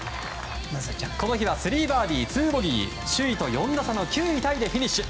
この日は３バーディー２ボギー首位と４打差の９位タイでフィニッシュ。